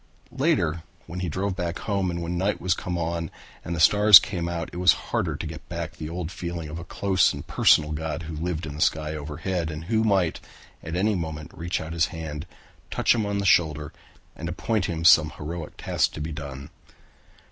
Later when he drove back home and when night came on and the stars came out it was harder to get back the old feeling of a close and personal God who lived in the sky overhead and who might at any moment reach out his hand, touch him on the shoulder, and appoint for him some heroic task to be done.